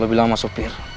lebih lama sopir